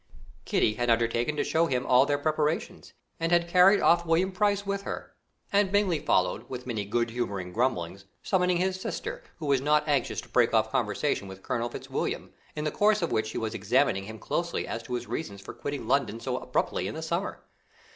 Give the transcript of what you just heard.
Kitty had undertaken to show him all their preparations, and had carried off William Price with her, and Bingley followed, with many good humoured grumblings, summoning his sister, who was not anxious to break off conversation with Colonel Fitzwilliam, in the course of which she was examining him closely as to his reasons for quitting London so abruptly in the summer.